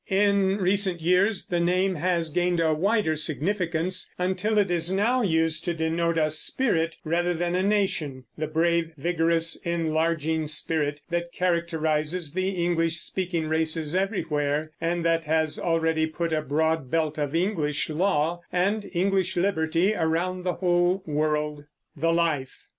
In recent years the name has gained a wider significance, until it is now used to denote a spirit rather than a nation, the brave, vigorous, enlarging spirit that characterizes the English speaking races everywhere, and that has already put a broad belt of English law and English liberty around the whole world. THE LIFE.